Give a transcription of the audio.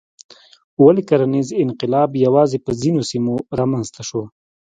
ولې کرنیز انقلاب یوازې په ځینو سیمو رامنځته شو؟